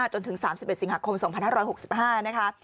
จนถึง๓๑สิงหาคม๒๕๖๕นะคะ